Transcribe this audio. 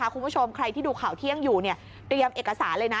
คุณผู้ชมใครที่ดูข่าวเที่ยงอยู่เตรียมเอกสารเลยนะ